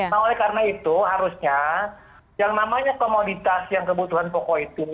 nah oleh karena itu harusnya yang namanya komoditas yang kebutuhan pokok itu